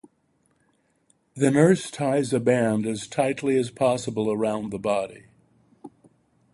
The nurse ties a band as tightly as possible around the body.